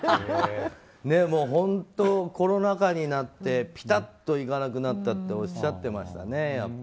本当、コロナ禍になってピタッと行かなくなったっておっしゃってましたね。